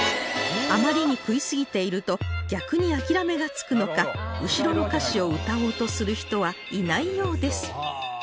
あまりに食いすぎていると逆に諦めがつくのか後ろの歌詞を歌おうとする人はいないようです